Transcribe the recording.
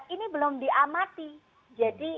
ini belum diamati jadi